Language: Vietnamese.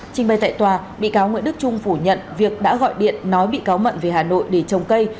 trình bày tại tòa bị cáo nguyễn đức trung phủ nhận việc đã gọi điện nói bị cáo mận về hà nội để trồng cây